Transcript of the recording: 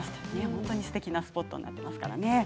本当にすてきなスポットになっていますからね。